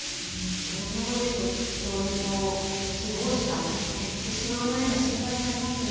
このままですと、教員の希望者、減ってしまわないか、心配になりますね。